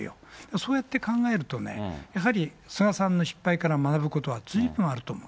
そうやって考えると、やはり菅さんの失敗から学ぶことはずいぶんあると思う。